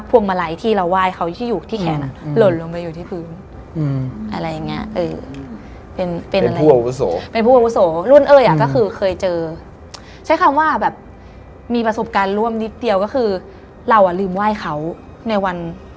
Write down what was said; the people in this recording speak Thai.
พวกเสียงนี้อาจจะลืมบอกไปว่า